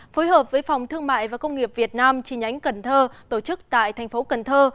phối hợp với phòng thương mại và công nghiệp việt nam chi nhánh cần thơ tổ chức tại thành phố cần thơ